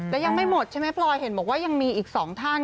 และยังไม่หมดใช่ไหมพลอยเห็นบอกว่ายังมีอีก๒ท่าน